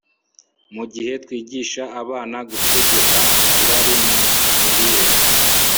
Mu gihe twigisha abana gutegeka irari mu mirire